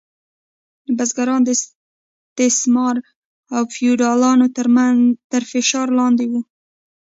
بزګران د استثمار او فیوډالانو تر فشار لاندې وو.